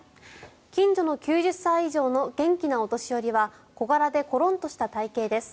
近所の９０歳以上の元気なお年寄りは小柄でコロンとした体形です。